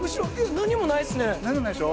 何もないでしょ？